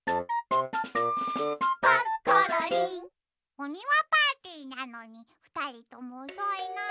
おにわパーティーなのにふたりともおそいな。